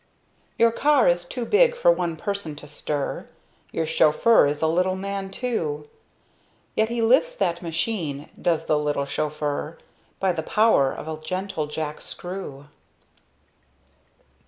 Your car is too big for one person to stir Your chauffeur is a little man, too; Yet he lifts that machine, does the little chauffeur, By the power of a gentle jackscrew.